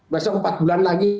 besok empat bulan lagi